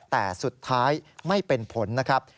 แต่สุดท้ายไม่เป็นผลนะครับ